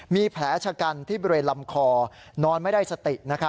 มีแผลชะกันที่บริเวณลำคอนอนไม่ได้สติ